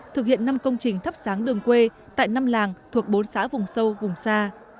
thực hiện năm công trình thắp sáng đường quê tại năm làng thuộc bốn xã vùng sâu vùng xa